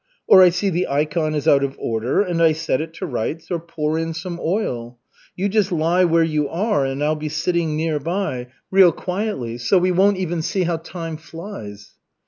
Or I see the ikon is out of order, and I set it to rights, or pour in some oil. You just lie where you are and I'll be sitting nearby, real quietly. So we won't even see how time flies."